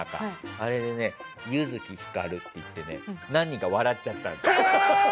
あれで弓月光って言って何人か笑っちゃったんですよ。